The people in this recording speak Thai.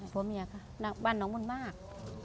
ผัวเมียค่ะบ้านน้องบุญมาก